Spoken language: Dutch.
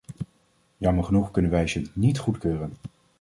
Jammer genoeg kunnen wij ze niet goedkeuren.